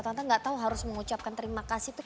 tante ga tau harus mengucapkan terima kasih tuh